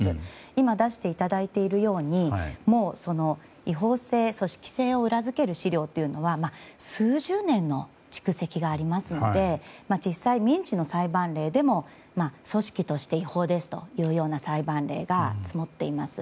今、出していただいているようにもう、違法性、組織性を裏付ける資料は数十年の蓄積がありますので実際、民事の裁判例でも組織として違法ですというような裁判例が積もっています。